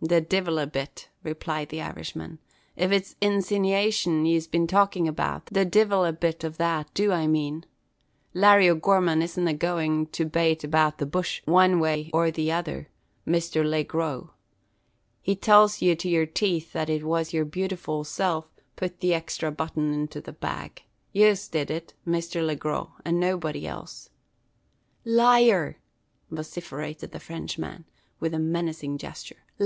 "The divil a bit," replied the Irishman. "If it's insinivation yez be talkin' about, the divil a bit ov that do I mane. Larry O'Gorman isn't agoin' to bate about the bush wan way or the tother, Misther Laygrow. He tells ye to yer teeth that it was yer beautiful self putt the exthra button into the bag, yez did it, Misther Laygrow, and nobody else." "Liar!" vociferated the Frenchman, with a menacing gesture.